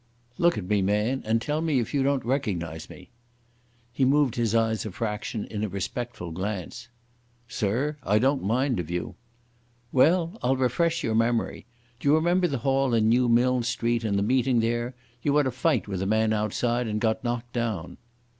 "Look at me, man, and tell me if you don't recognise me." He moved his eyes a fraction, in a respectful glance. "Sirr, I don't mind of you." "Well, I'll refresh your memory. Do you remember the hall in Newmilns Street and the meeting there? You had a fight with a man outside, and got knocked down."